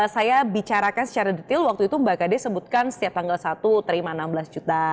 saya bicarakan secara detail waktu itu mbak kade sebutkan setiap tanggal satu terima enam belas juta